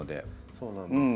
そうなんですよ。